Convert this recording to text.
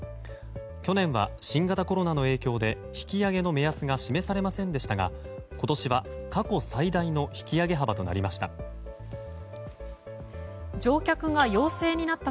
去年は新型コロナの影響で引き上げの目安が示されませんでしたが今年は過去最大の引き上げ幅となりました。